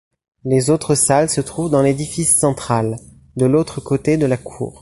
Les autres salles se trouvent dans l'édifice central, de l'autre côté de la cour.